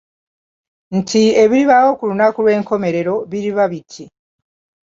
Nti ebiribaawo ku lunaku lw'enkomerero biriba biti